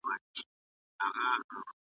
وطن د هر انسان ګډ کور دی.